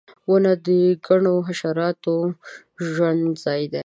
• ونه د ګټورو حشراتو د ژوند ځای دی.